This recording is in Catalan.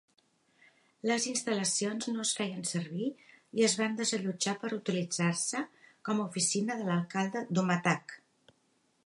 Les instal·lacions no es feien servir i es van desallotjar per utilitzar-se com a oficina de l'alcalde d'Umatac.